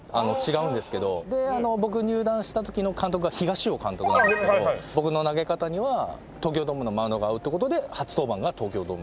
僕入団した時の監督が東尾監督だったんですけど僕の投げ方には東京ドームのマウンドが合うって事で初登板が東京ドーム。